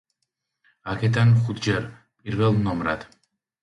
აქედან ხუთჯერ პირველ ნომრად.